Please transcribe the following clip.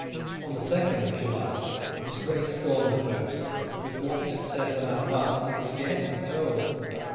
On the 2nd of July his Grace stormed the post, with what success on our part need scarce be told.